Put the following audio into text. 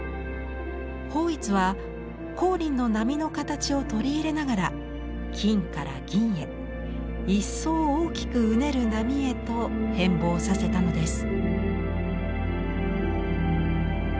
抱一は光琳の波の形を取り入れながら金から銀へ一層大きくうねる波へと変貌させたのです。